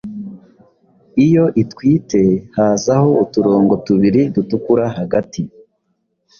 iyo itwite hazaho uturongo tubiri dutukura hagati